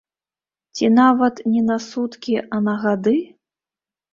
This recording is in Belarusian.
Ці нават не на суткі, а на гады?